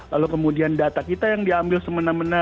lalu kemudian data kita yang diambil semena mena